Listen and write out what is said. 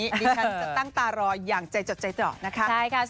ดิฉันจะตั้งตารออย่างใจจดใจเจาะนะคะ